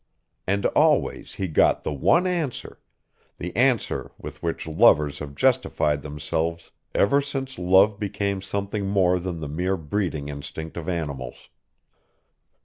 And always he got the one answer, the answer with which lovers have justified themselves ever since love became something more than the mere breeding instinct of animals.